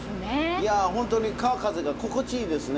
いやホントに川風が心地いいですね